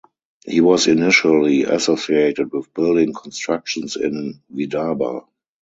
He was initially associated with building constructions in Vidarbha.